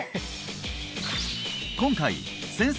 今回先生